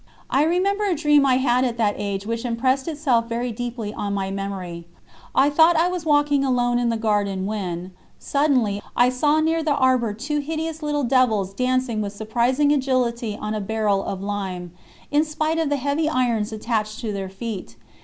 I remember a dream I had at that age which impressed itself very deeply on my memory. I thought I was walking alone in the garden when, suddenly, I saw near the arbour two hideous little devils dancing with surprising agility on a barrel of lime, in spite of the heavy irons attached to their feet.